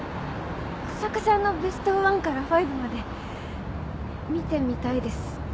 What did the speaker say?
日下さんのベスト１から５まで見てみたいです。